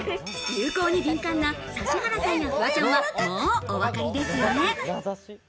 流行に敏感な指原さんやフワちゃんは、もうおわかりですよね？